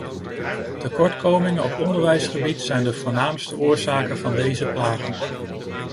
Tekortkomingen op onderwijsgebied zijn de voornaamste oorzaken van deze plagen.